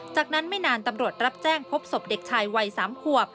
จากนั้นไม่นานตำรวจรับแจ้งพบศพเด็กชายวัย๓ขวบ